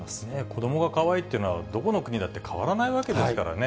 子どもがかわいいっていうのは、どこの国だって変わらないわけですからね。